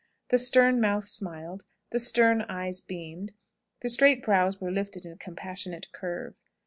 The stern mouth smiled, the stern eyes beamed, the straight brows were lifted in a compassionate curve.